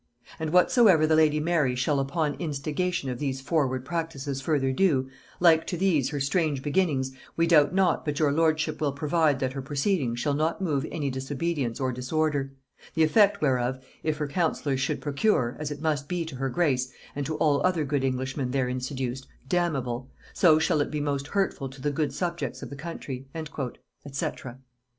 And whatsoever the lady Mary shall upon instigation of these forward practices further do, like to these her strange beginnings, we doubt not but your lordship will provide that her proceedings shall not move any disobedience or disorder The effect whereof if her counsellors should procure, as it must be to her grace, and to all other good Englishmen therein seduced, damnable, so shall it be most hurtful to the good subjects of the country" &c. [Note 15: Burleigh Papers by Haynes.